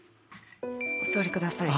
お座りください。